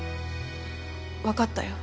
分かったよ。